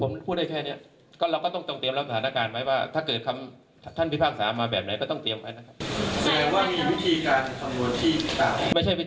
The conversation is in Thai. ผมพูดได้แค่นี้ก็เราก็ต้องเตรียมรับสถานการณ์ไว้ว่าถ้าเกิดคำท่านพิพากษามาแบบไหนก็ต้องเตรียมไว้นะครับ